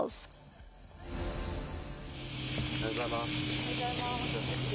おはようございます。